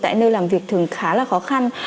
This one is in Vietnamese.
tại nơi làm việc thường khá là khó khăn